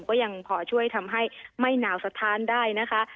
ก็ยังพอช่วยทำให้ไม่หนาวสะท้านได้นะคะ